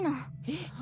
えっ？